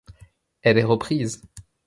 Elle est reprise.